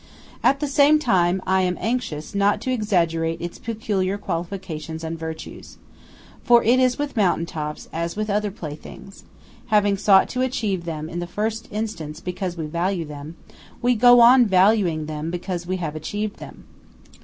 At the same time I am anxious not to exaggerate its peculiar qualifications and virtues. For it is with mountain tops as with other playthings:–having sought to achieve them in the first instance because we value them, we go on valuing them because we have achieved them.